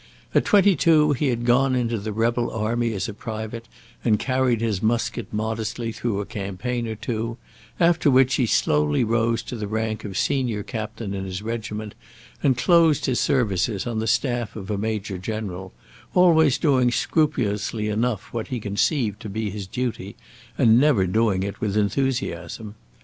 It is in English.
At twenty two he had gone into the rebel army as a private and carried his musket modestly through a campaign or two, after which he slowly rose to the rank of senior captain in his regiment, and closed his services on the staff of a major general, always doing scrupulously enough what he conceived to be his duty, and never doing it with enthusiasm.